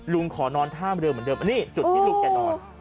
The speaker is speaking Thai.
ลุงขอนอนท่าเมืองเหมือนเดิมนี่จุดที่ลูกแก่นอน